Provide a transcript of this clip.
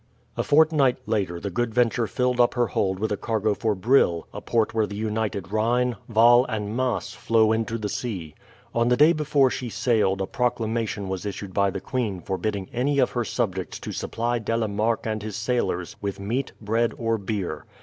A fortnight later, the Good Venture filled up her hold with a cargo for Brill, a port where the united Rhine, Waal, and Maas flow into the sea. On the day before she sailed a proclamation was issued by the queen forbidding any of her subjects to supply De la Marck and his sailors with meat, bread, or beer.